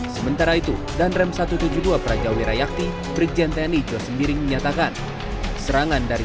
sementara itu dan rem satu ratus tujuh puluh dua praja wira yakti brigjen tni jawa sembiring menyatakan serangan dari